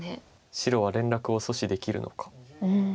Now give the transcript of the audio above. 白は連絡を阻止できるのか。